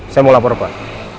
saya mau lapor pak